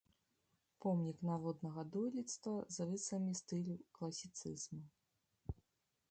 Помнік народнага дойлідства з рысамі стылю класіцызму.